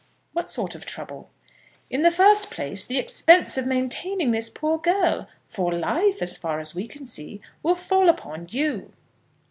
"What sort of trouble?" "In the first place, the expense of maintaining this poor girl, for life, as far as we can see, will fall upon you."